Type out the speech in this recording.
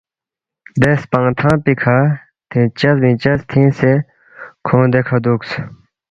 دے سپنگ تھنگ پیکھہ تھِنگچس بِنگچس تھِنگسے کھونگ دیکھہ دُوکس